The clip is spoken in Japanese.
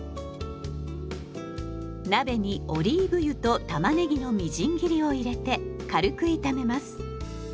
鍋にオリーブ油とたまねぎのみじん切りを入れて軽く炒めます。